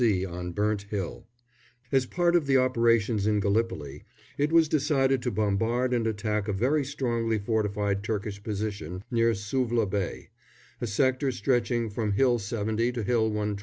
C. ON BURNT HILL [As part of the operations in Gallipoli, it was decided to bombard and attack a very strongly fortified Turkish position near Suvla Bay a sector stretching from Hill 70 to Hill 112.